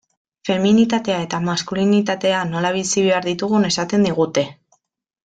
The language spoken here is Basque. Feminitatea eta maskulinitatea nola bizi behar ditugun esaten digute.